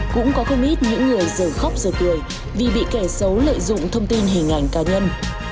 cũng có không ít những người giờ khóc giờ cười vì bị kẻ xấu lợi dụng thông tin hình ảnh cá nhân